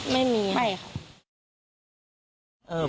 ไม่มีครับ